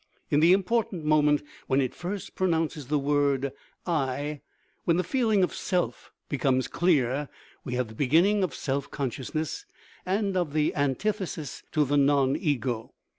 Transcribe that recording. In the im portant moment when it first pronounces the word " I," when the feeling of self becomes clear, we have the be ginning of self consciousness, and of the antithesis to the non ego.